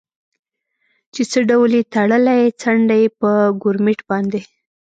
چې څه ډول یې تړلی، څنډه یې په ګورمېټ باندې.